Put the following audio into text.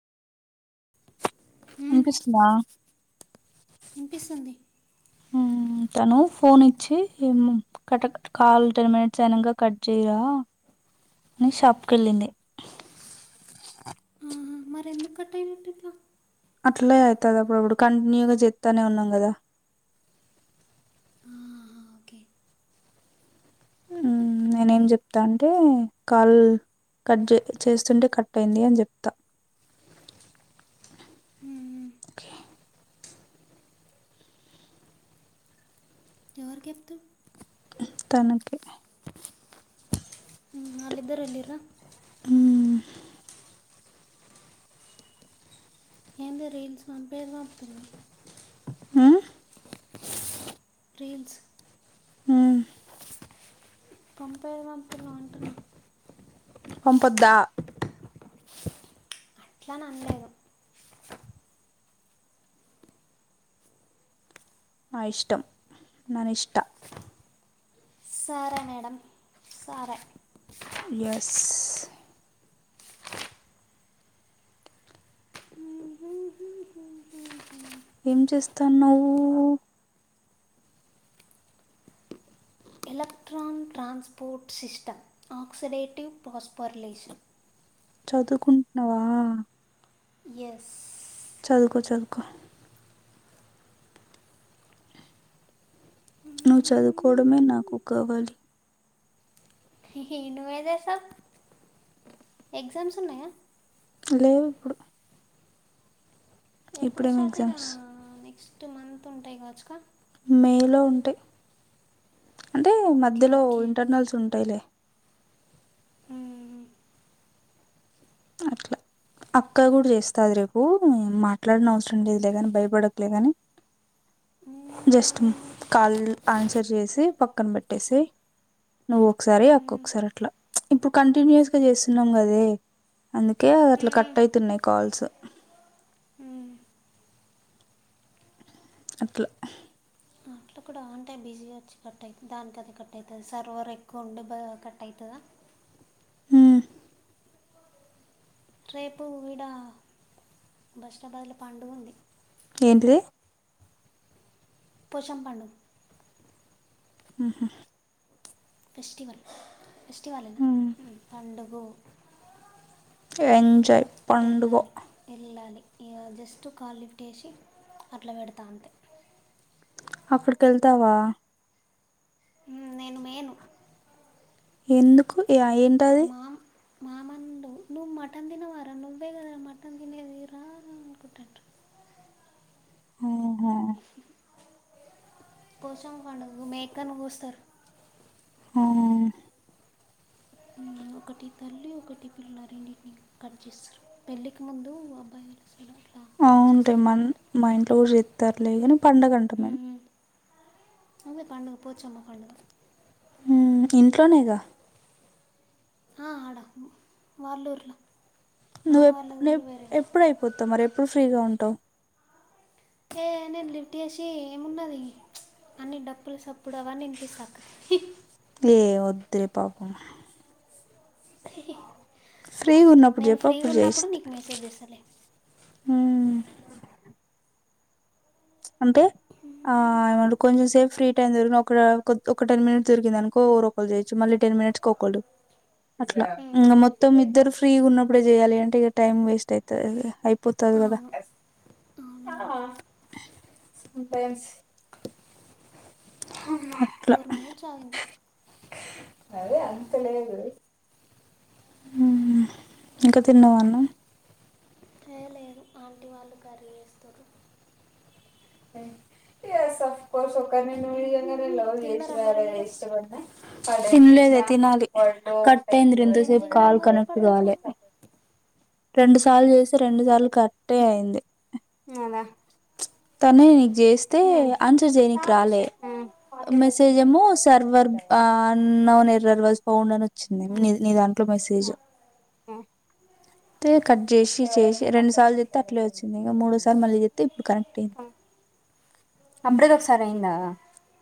ఉమ్ వినిపిస్తుందా? ఇనిపిస్తుంది హ్మ్ తను ఫోన్ ఇచ్చి కట కాల్ టెన్ మినిట్స్ అయినంక కట్ చేయిరా అని షాప్కెళ్ళింది ఉమ్ మరెందుకు కట్ అయినట్టు ఇట్లా అట్లే అయితది అప్పుడుప్పుడు కంటిన్యూగా చెత్తన్నే ఉన్నాం కదా. ఆహా, ఓకే హ్మ్ నేనేం చెప్తా అంటే కాల్. కట్ చే చేస్తుంటే కట్ అయింది అని చెప్తా. మ్మ్, మ్మ్. ఓకే ఎవరికీ చెప్తవ్ తనకే ఉమ్ ఆల్లిద్దరు ఎళ్లిర్రా హ్మ్ ఏందే రీల్స్ పంపేదే పంపుతున్నావ్ ఉమ్ రీల్స్ ఉమ్ పంపేది పంప్పుతున్నావ్ అంటున్నా పంపొద్ద అట్లనన్లేదు నా ఇష్టం ననిష్ట సరే మేడం సరే యస్ ఎం చేస్తన్నావు electron transport system oxidative phosphorylation చదువుకుంటున్నావా యస్ చదువుకో చదువుకో నువ్వు చదువుకోవడమే నాకు కావాలి హీ హీ నువ్వు ఎం చేస్తావ్ ఎగ్జామ్స్ ఉన్నాయా లేవు ఇప్పుడు ఎప్పుడు స్టార్ట్ ఇగ ఎగ్జామ్స్ నెక్స్ట్ మంత్ ఉంటాయి కావచ్చు కా మేలో ఉంటయి అంటే ఓకే మధ్యలో ఓకే ఇంటర్నల్స్ ఉంటాయిలే మ్మ్. అట్లా అక్క కూడా చేస్తాది రేపు మాట్లాడిన అవసరం లేదు లే కాని భయపడక్ లే గని మ్మ్, జస్ట్ ఊరే పెడతా కాల్ ఆన్సర్ చేసి పక్కన బెట్టెసేయ్ నువ్వు ఒకసారి మ్మ్, అక్కొకసారి అట్లా ఇప్పుడు కంటిన్యూయస్ గా చేస్తున్నాం కదే అందుకే అట్లా మ్మ్, కట్ అయితున్నాయి కాల్స్ మ్మ్. అట్లా అట్లా కూడా ఆన్ టైం బిజీ వచ్చి కట్ అయి దానికదే కట్ అయితది సర్వర్ ఎక్కువ ఉండి బ కట్ అయితదా ఉమ్ రేపు ఇడా బస్టాబాదుల పండుగ ఉంది ఏంటిది పోచమ్ పండు ఉహ్మ్ ఫెస్టివల్ ఫెస్టివలేన మ్మ్. పండుగు ఏంద్ అట్ ఎళ్ళాలి ఎళ్ళాలి ఇగ జస్ట్ కాల్ లిఫ్ట్ చేేసి అట్లా పెడతా అంతే అపుడికెళ్తావా ఉమ్ నేను మేను ఎందుకు ఇగ ఏంటది మామండు నువ్వు మటన్ తినవారా నువ్వే గాదరా మటన్ తినేది రా అనుకుంటంటు హు్హ్ పోషమ్మ పండుగకు మేకన్ కోస్తర్ ఆ. ఉమ్ ఒకటి తల్లి ఒకటి పిల్ల రేండిటిని కట్ చేస్తర్ పెళ్లికి ముందు అబ్బాయి వసడ అ ఉంటేమన్ మా ఇంట్లో కూడా జేత్తర్లే గాని పండగ అంటార్ మేమ్ ఉమ్, అదే పండుగ పోచమ్మ పండుగ ఊ ఇంట్లోనే గా ఆ ఆడ వాళ్ళుర్ల నువ్వేప్ నువ్వేప్ ఎప్పుడు అయిపోతవు మరి ఎప్పుడు ఫ్రీ గా ఉంటావు ఏ నేను లిఫ్ట్ ఏషి ఏమున్నది అన్ని డప్పుల సప్పుడవ్వనిపిస్తాక్ హీ ఏ ఒద్దే పాపం ఫ్రీగా ఉన్నప్పుడు నేను చెప్పు ఫ్రీ అప్పుడు గున్నప్పుడు నీకు మెసేజ్ చేస్తలే ఊమ్ అంటే ఆ ఏమనడు కొంజం సేప్ ఫ్రీ టైమ్ దొరికిన కూడా కొ కొద్ద్ ఒక టెన్ మినట్ జోరికిందనుకో ఎవరోకల్ చేయచ్చు మళ్ళీ టెన్ టెన్ మినట్స్ ఒకలు అట్లా మ్ ఇగ మొత్తం ఇద్దరు ఫ్రీ గా ఉన్నప్పుడే జెయాలి అంటే ఇక టైమ్ వేస్ట్ అయితదిగ అయిపోత దకద అవును అవునవును ఉమ్ థ్యాంక్స్ హమ్మ ఫోర్ మినేట్స్ ఆగింది మరి అంతలేదు ఊమ్ ఇంకా తిన్నవా అన్నం ఏ లేదు ఆంటి వాళ్ళు కర్రీ చేస్తుర్రు అ ఎస్స్ సఫ్ కోర్స్ ఒకర్ని నువ్ ఇగ తిన్నారా మరి మీరు తిన్లేదే తినాలి కట్ టైందిర ఏం ఇంతసేపు తిన్నారు కాల్ మరి కనెక్ట్ గాలే ఇప్పటిదాకా రెండు సార్లు చేస్తే రెండు సార్లు కట్టే అయింది నాద ప్చ్ తనే నీక్ జేస్తే ఆన్సర్ చేయనీకి రాలే మెసేజ్ ఏమో server unknown error was found అని వచ్చింది నీ నీ దాంట్లో మెసేజు అయితే కట్ చేసి చేసి రెండు సార్లు చెత్తే అట్లే వచ్చింది ఇక మూడోసారి మళ్ళీ చెత్తే ఇప్పుడు కనెక్ట్ అయింది అంబ్రదొకసారి అయిందా